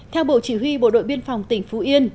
theo bộ chỉ huy bộ đội biên phòng tỉnh phú yên